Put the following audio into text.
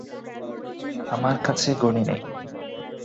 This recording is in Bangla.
আমার কাছে ঘড়ি নেই।